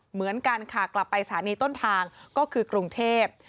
เหมือนกันค่ะกลับไปสถานีต้นทางก็คือกรุงเทพ